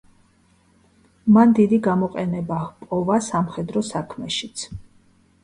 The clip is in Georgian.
მან დიდი გამოყენება პოვა სამხედრო საქმეშიც.